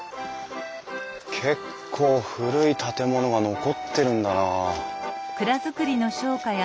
結構古い建物が残ってるんだな。